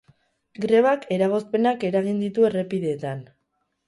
Grebak eragozpenak eragin ditu errepideetan.